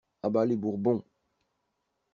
A bas les Bourbons!